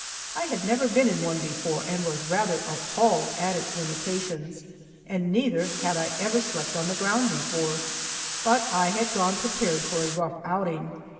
I had never been in one before and was rather appalled at its limitations, and neither had I ever slept on the ground before, but I had gone prepared for a rough outing.